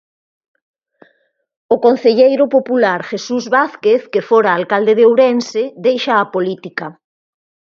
O concelleiro popular Jesús Vázquez, que fora alcalde de Ourense, deixa a política.